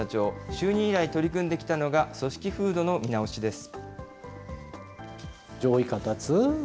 就任以来、取り組んできたのが、組織風土の見直しです。